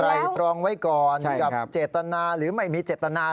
ตรองไว้ก่อนกับเจตนาหรือไม่มีเจตนา